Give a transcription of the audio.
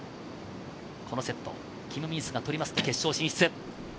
このセット、キム・ミンスが取りますと決勝進出。